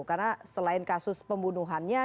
karena selain kasus pembunuhannya